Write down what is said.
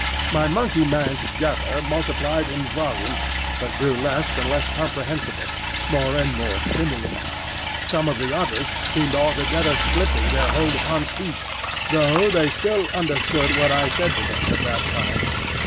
My Monkey man's jabber multiplied in volume but grew less and less comprehensible, more and more simian. Some of the others seemed altogether slipping their hold upon speech, though they still understood what I said to them at that time.